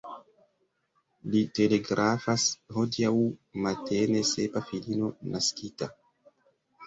Li telegrafas: « Hodiaŭ matene sepa filino naskita ».